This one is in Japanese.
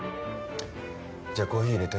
じゃあコーヒーいれて。